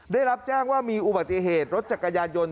ได้รับแจ้งว่ามีอุบัติเหตุรถจักรยานยนต์